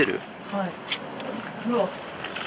はい。